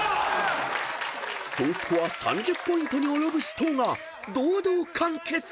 ［総スコア３０ポイントに及ぶ死闘が堂々完結］